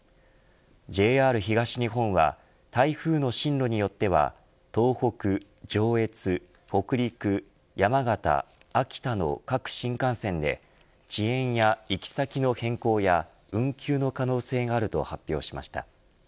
ＪＲ東日本は台風の進路によっては東北、上越、北陸山形、秋田の各新幹線で遅延や行き先の変更や運休の可能性があると発表しました。